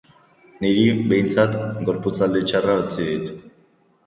Niri, behintzat, gorputzaldi txarra utzi dit.